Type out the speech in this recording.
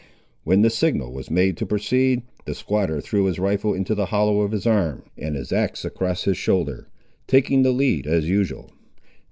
When the signal was made to proceed, the squatter threw his rifle into the hollow of his arm, and his axe across his shoulder, taking the lead as usual.